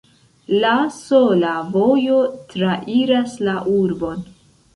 La sola vojo trairas la urbon.